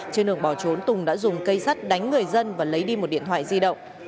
trên đường bỏ trốn tùng đã dùng cây sắt đánh người dân và lấy đi một điện thoại di động